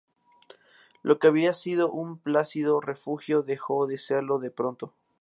Lo que había sido un plácido refugio dejó de serlo de pronto.